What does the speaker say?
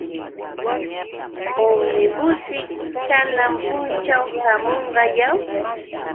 Umnibusćhi kanan punćhaw hamuyan, ¿aw?